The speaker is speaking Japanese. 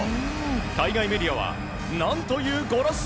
海外メディアは何というゴラッソ！